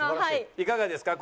いかがですか？